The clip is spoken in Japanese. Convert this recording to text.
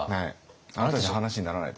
あなたじゃ話にならないと。